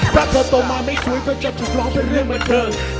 ถ้าเธอโตมาไม่สวยเธอจะถูกร้องเป็นเรื่องเหมือนเธอ